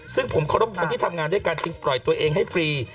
ซึ่งผมเคารพคนที่ทำงานด้วยกันจึงปล่อยตัวเองให้ฟรี